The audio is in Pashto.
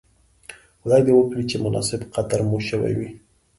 خدای دې وکړي چې مناسب قدر مو شوی وی.